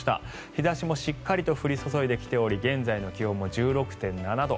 日差しもしっかりと降り注いできており現在の気温も１６．７度。